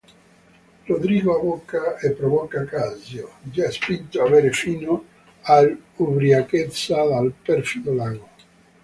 Rodrigo abbocca e provoca Cassio, già spinto a bere fino all'ubriachezza dal perfido Iago.